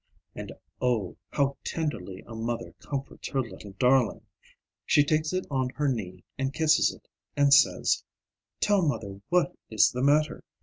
And oh, how tenderly a mother comforts her little darling! She takes it on her knee and kisses it, and says, "Tell mother what is the matter.